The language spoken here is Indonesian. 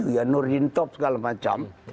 ya nur dintop segala macam